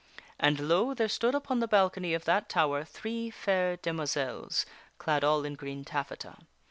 And lo ! there stood upon the balcony of that tower King Arthur three fair demoiselles, clad all in green taffeta.